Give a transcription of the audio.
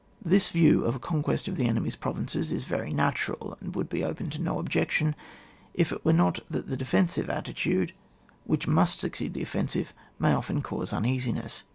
This view of a conquest of the enemy's provinces is very natural, and would be open to no objection if it were not that the defensive attitude, which must suc ceed the offensive, may often cause un easiness.